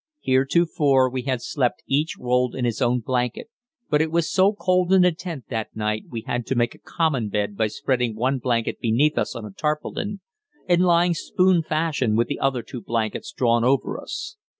Heretofore we had slept each rolled in his own blanket, but it was so cold in the tent that night we had to make a common bed by spreading one blanket beneath us on a tarpaulin and lying spoon fashion with the other two blankets drawn over us.